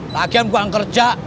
lagian buang kerja